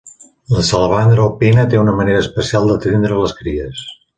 La salamandra alpina té una manera especial d'atendre les cries.